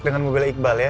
dengan mobilnya iqbal ya